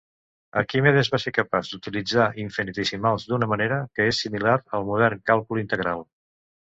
Arquimedes va ser capaç d'utilitzar infinitesimals d'una manera que és similar al modern càlcul integral.